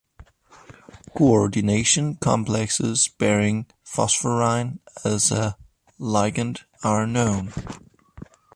Coordination complexes bearing phosphorine as a ligand are known.